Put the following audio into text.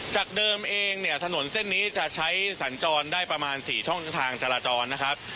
จากเดิมเองเนี่ยถนนเส้นนี้จะใช้สัญจรได้ประมาณ๔ช่องทางจราจรนะครับ